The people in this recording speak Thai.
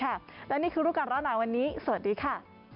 และนี่คือรูปการณ์ร้อนหนาวันนี้สวัสดีค่ะ